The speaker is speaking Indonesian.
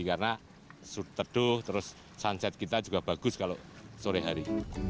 karena terduh terus sunset kita juga bagus kalau sore hari